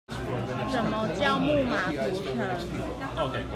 什麼叫木馬屠城